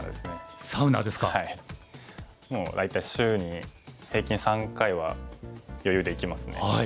もう大体週に平均３回は余裕で行きますね。